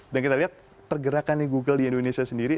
dan kita lihat pergerakan google di indonesia sendiri